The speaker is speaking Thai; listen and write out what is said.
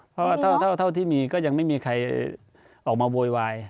เพราะว่าเท่าที่มีก็ยังไม่มีใครออกมาโวยวาย